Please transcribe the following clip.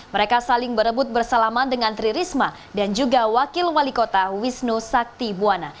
mereka saling berebut bersalaman dengan tri risma dan juga wakil wali kota wisnu sakti buwana